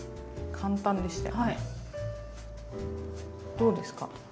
どうですか？